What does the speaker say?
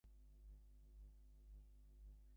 It is still operational today.